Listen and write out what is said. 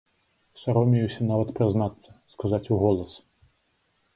Саромеюся нават прызнацца, сказаць уголас.